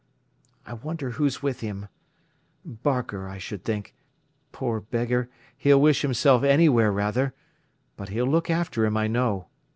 I wonder who's with him. Barker, I s'd think. Poor beggar, he'll wish himself anywhere rather. But he'll look after him, I know.